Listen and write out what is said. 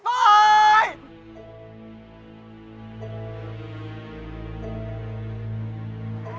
ไอ้สวย